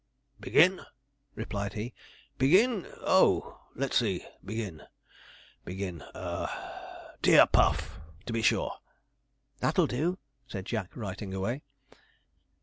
'Begin?' replied he. 'Begin oh, let's see begin begin, "Dear Puff," to be sure.' 'That'll do,' said Jack, writing away.